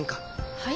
はい？